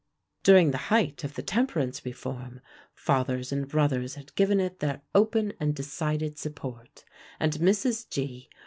During the height of the temperance reform, fathers and brothers had given it their open and decided support, and Mrs. G.